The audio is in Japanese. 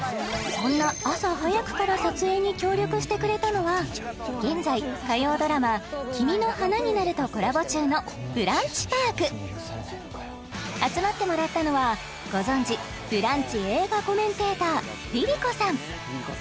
そんな朝早くから撮影に協力してくれたのは現在火曜ドラマ「君の花になる」とコラボ中のブランチパーク集まってもらったのはご存じ「ブランチ」映画コメンテーターＬｉＬｉＣｏさん